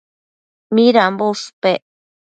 Midambo ushpec